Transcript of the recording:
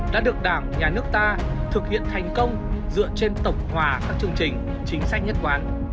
đã được đảng nhà nước ta thực hiện thành công dựa trên tổng hòa các chương trình chính sách nhất quán